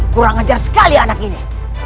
kurang ajar sekali anak ini